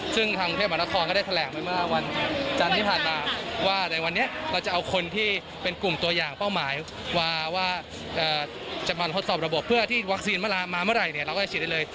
ซึ่งทางกรุงเทพมหานครก็ได้แถลงไปเมื่อวันจันทร์ที่ผ่านมาว่าในวันนี้เราจะเอาคนที่เป็นกลุ่มตัวอย่างเป้าหมายว่าจะมาทดสอบระบบเพื่อที่วัคซีนมาเมื่อไหร่เนี่ยเราก็จะฉีดได้เลย